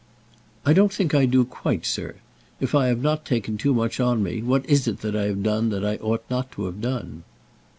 "I don't think I do quite, sir. If I have not taken too much on me, what is it that I have done that I ought not to have done?"